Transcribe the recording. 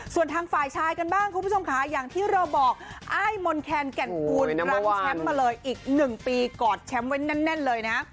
ส่วนทางฝ่ายชายกันบ้างคุณผู้ชมค่ะอย่างที่เราบอกอ้ายมนแคนแก่นปูนรังแชมป์มาเลยอีก๑ปีกอดแชมป์ไว้แน่นเลยนะ